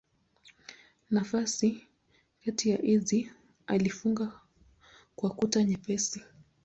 Nafasi kati ya hizi alifunga kwa kuta nyepesi.